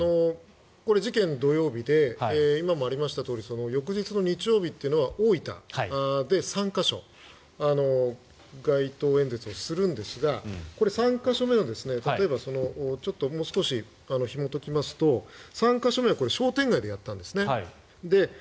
事件、土曜日で今もありましたとおり翌日の日曜日というのは大分で３か所街頭演説をするんですが３か所目は、例えばちょっともう少しひもときますと３か所目は商店街でやったんですね。